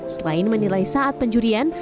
selain menilai saat penjurian